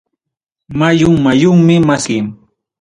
Mayun mayunmi maskamuchkayki.